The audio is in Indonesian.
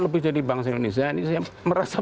lebih jadi bangsa indonesia ini saya merasa